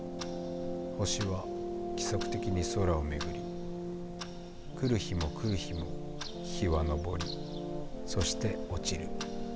星は規則的に空を巡り来る日も来る日も日は昇りそして落ちる。